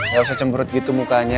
gak usah jembert gitu mukanya